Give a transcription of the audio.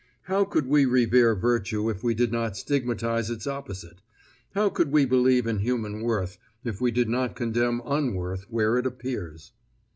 How could we revere virtue if we did not stigmatize its opposite; how could we believe in human worth if we did not condemn unworth where it appears?